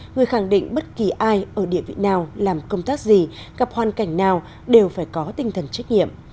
người khẳng định bất kỳ ai ở địa vị nào làm công tác gì gặp hoàn cảnh nào đều phải có tinh thần trách nhiệm